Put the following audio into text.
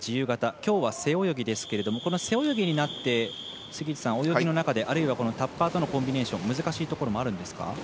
きょうは背泳ぎですけれども背泳ぎになって泳ぎの中であるいはタッパーとのコンビネーション、難しいところあるんですか。